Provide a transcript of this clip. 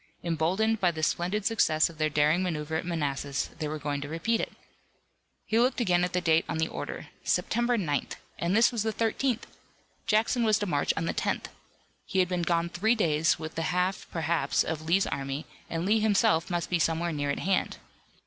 Emboldened by the splendid success of their daring maneuver at Manassas they were going to repeat it. He looked again at the date on the order. September 9th! And this was the 13th! Jackson was to march on the 10th. He had been gone three days with the half, perhaps, of Lee's army, and Lee himself must be somewhere near at hand.